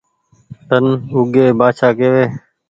ۮن اوڳي بآڇآ ڪيوي